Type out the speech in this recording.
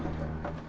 kem nepal itu